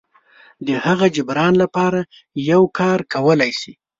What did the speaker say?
د هغه جبران لپاره یو کار کولی شي.